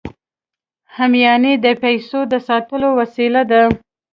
همیانۍ د پیسو د ساتلو وسیله ده